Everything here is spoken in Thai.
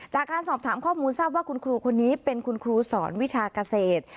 จากการสอบถามข้อมูลทราบว่าคุณครูคนนี้เป็นคุณครูสอนวิชาเกษตร